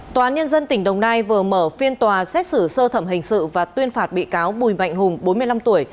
tòa án nhân dân tỉnh đồng nai vừa mở phiên tòa xét xử sơ thẩm hình sự và tuyên phạt bị cáo bùi mạnh hùng bốn mươi năm tuổi